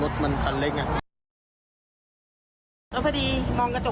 แล้วพอดีมองกระจกหลังเนอะเห็นสองคันข้างหลังอ่ะผิดปกติ